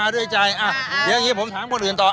เดี๋ยวอย่างนี้ผมถามคนอื่นต่อ